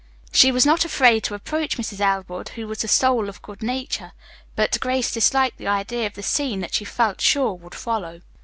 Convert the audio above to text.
She was not afraid to approach Mrs. Elwood, who was the soul of good nature, but Grace disliked the idea of the scene that she felt sure would follow.